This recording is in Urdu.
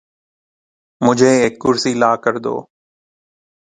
مجھے ایک کرسی لا کر دو